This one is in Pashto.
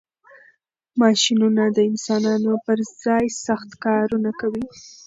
ماشینونه د انسانانو پر ځای سخت کارونه کوي.